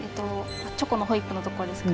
チョコのホイップのところですか？